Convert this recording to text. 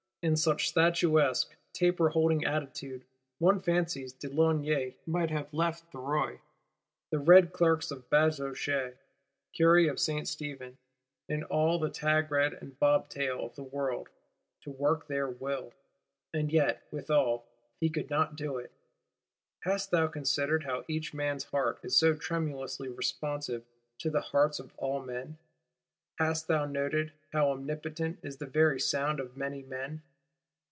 —In such statuesque, taper holding attitude, one fancies de Launay might have left Thuriot, the red Clerks of the Bazoche, Curé of Saint Stephen and all the tagrag and bobtail of the world, to work their will. And yet, withal, he could not do it. Hast thou considered how each man's heart is so tremulously responsive to the hearts of all men; hast thou noted how omnipotent is the very sound of many men?